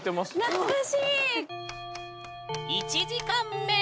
懐かしい。